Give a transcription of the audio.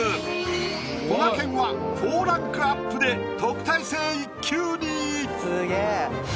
こがけんは４ランクアップで特待生１級に！